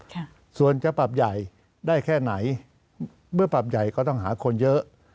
ค่ะส่วนจะปรับใหญ่ได้แค่ไหนเมื่อปรับใหญ่ก็ต้องหาคนเยอะ